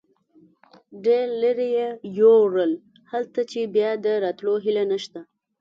ډېر لرې یې یوړل، هلته چې بیا د راتلو هیله نشته.